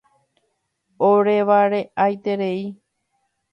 Orevare'aiterei.